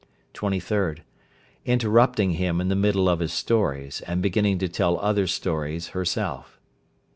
23rd. Interrupting him in the middle of his stories, and beginning to tell other stories herself.